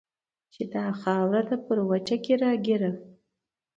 چې دا خاوره ده پر وچه کې راګېره